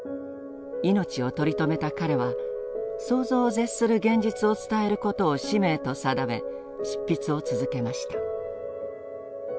命を取り留めた彼は想像を絶する現実を伝えることを使命と定め執筆を続けました。